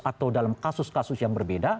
atau dalam kasus kasus yang berbeda